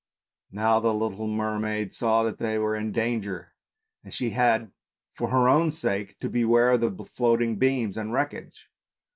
. Now the little mermaid saw that they were in danger and she had for her own sake to beware of the floating beams and wreckage.